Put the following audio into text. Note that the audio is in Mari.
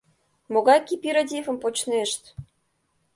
Могай кипиративым почнешт?..